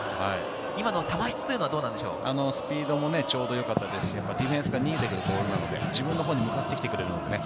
球質はスピードもちょうどよかったですし、ディフェンスから逃げてくるボールなので、自分のほうに向かってきている。